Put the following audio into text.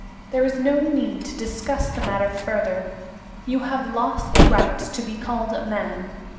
There is no need to discuss the matter further. You have lost the right to be called a man.